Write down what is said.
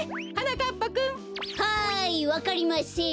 はいわかりません。